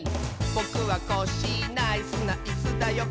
「ぼくはコッシーナイスなイスだよ」